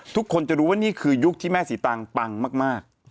ทุกคนจะรู้ว่านี่คือยุคที่แม่สีตังปังมาก